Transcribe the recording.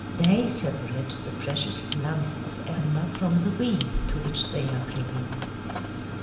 They separate the precious lumps of amber from the weeds to which they are clinging."